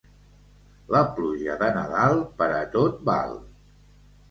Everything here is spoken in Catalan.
La pluja de Nadal per a tot val.